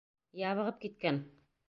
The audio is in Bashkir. Ябығып киткән!